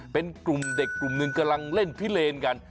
เป็นกลุ่มเด็กกลุ่มหนึ่งกำลังเล่นพิเลนกัน